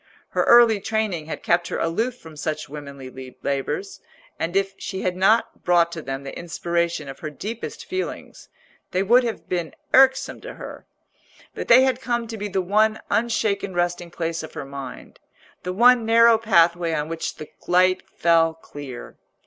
Her early training had kept her aloof from such womanly labours; and if she had not brought to them the inspiration of her deepest feelings, they would have been irksome to her. But they had come to be the one unshaken resting place of her mind, the one narrow pathway on which the light fell clear.